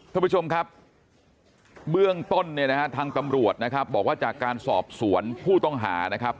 ท่านผู้ชมครับเบื้องต้นเนี่ยนะฮะทางตำรวจนะครับบอกว่าจากการสอบสวนผู้ต้องหานะครับ